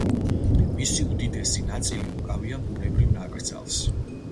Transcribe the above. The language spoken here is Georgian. მისი უდიდესი ნაწილი უკავია ბუნებრივ ნაკრძალს.